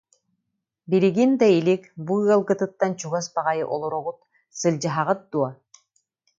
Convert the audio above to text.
Билигин да илик, бу ыалгытыттан чугас баҕайы олороҕут, сылдьыһаҕыт дуо